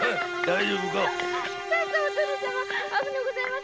大丈夫で。